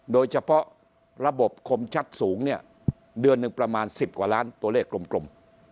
โดยเฉพาะระบบคมชัดสูงเนี่ยเดือนหนึ่งประมาณ๑๐กว่าล้านตัวเลขกลม